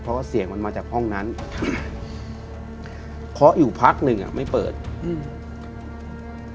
เพราะว่าเสียงมันมาจากห้องนั้นครับเคาะอยู่พักหนึ่งอ่ะไม่เปิดอืม